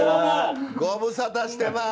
ご無沙汰してます！